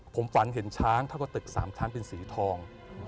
ผมฝันเห็นช้างเท่ากับตึก๓ชั้นเป็นสีทอง